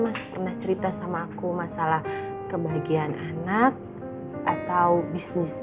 mas pernah cerita sama aku masalah kebahagiaan anak atau bisnis